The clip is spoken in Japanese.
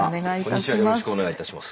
こんにちはよろしくお願いいたします。